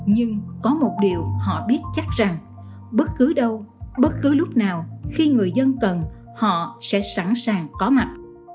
nhưng có một điều họ biết chắc rằng bất cứ đâu bất cứ lúc nào khi người dân cần họ sẽ sẵn sàng có mặt